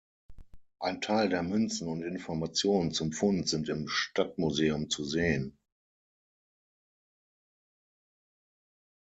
Ein Teil der Münzen und Informationen zum Fund sind im Stadtmuseum zu sehen.